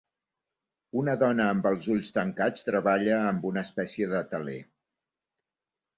Una dona amb els ulls tancats treballa amb una espècie de teler.